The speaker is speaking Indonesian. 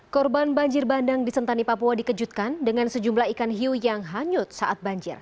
korban banjir bandang di sentani papua dikejutkan dengan sejumlah ikan hiu yang hanyut saat banjir